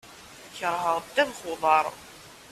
Keṛheɣ ddabex n uḍaṛ.